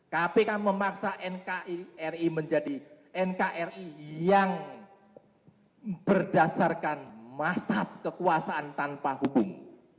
kpk memaksa nkri menjadi nkri yang berdasarkan mastad kekuasaan tanpa hubung